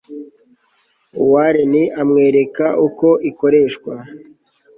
wa rene amwereka uko ikoreshwa